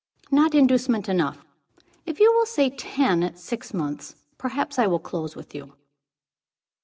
"Not inducement enough. If you will say ten at six months, perhaps I will close with you."